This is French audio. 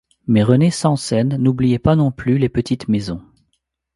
Mais René Sansen n'oubliait pas non plus les petites maisons.